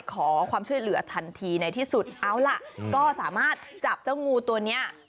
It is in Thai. ขอความช่วยเหลือทันทีในที่สุดเอาล่ะก็สามารถจับเจ้างูตัวนี้